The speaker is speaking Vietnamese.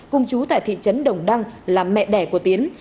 cùng chú tại thị trấn đồng đăng là mẹ đẻ của tiến